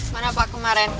mana pak kemarin